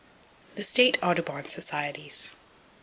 The State Audubon Societies.